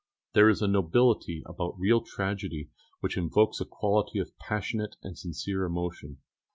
There is a nobility about real tragedy which evokes a quality of passionate and sincere emotion.